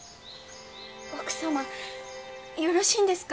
奥様よろしいんですか？